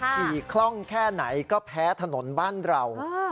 คล่องแค่ไหนก็แพ้ถนนบ้านเรา